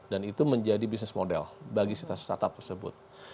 dan itu menjadi bisnis model bagi startup tersebut